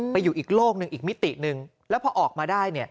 ไปอยู่อีกโลกหนึ่งอีกมิติหนึ่งแล้วพอออกมาได้